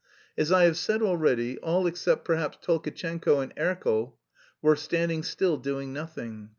As I have said already, all except perhaps Tolkatchenko and Erkel were standing still doing nothing.